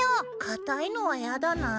堅いのはやだな。